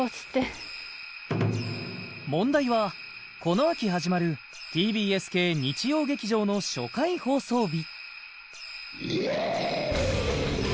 問題はこの秋始まるＴＢＳ系日曜劇場の初回放送日